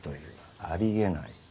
ありえない！